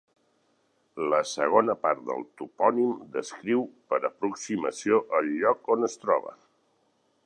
La segona part del topònim descriu per aproximació el lloc on es troba.